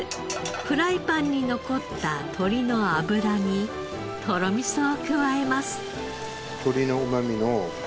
フライパンに残った鶏の脂にとろみそを加えます。